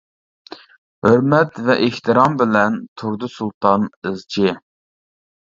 ھۆرمەت ۋە ئېھتىرام بىلەن تۇردى سۇلتان ئىزچى.